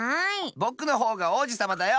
ぼくのほうがおうじさまだよ！